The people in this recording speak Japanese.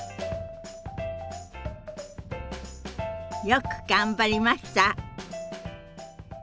よく頑張りました。